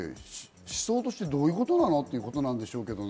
思想としてどういうことなの？ってことなんでしょうけどね。